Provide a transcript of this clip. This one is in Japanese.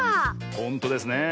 ほんとですねえ。